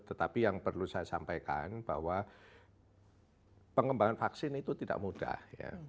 tetapi yang perlu saya sampaikan bahwa pengembangan vaksin itu tidak mudah